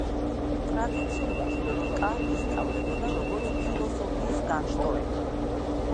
ტრადიციულად ლოგიკა ისწავლებოდა, როგორც ფილოსოფიის განშტოება.